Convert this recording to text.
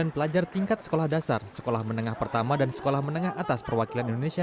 satu ratus dua puluh sembilan pelajar tingkat sekolah dasar sekolah menengah pertama dan sekolah menengah atas perwakilan indonesia